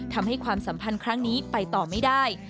ความสัมพันธ์ครั้งนี้ไปต่อไม่ได้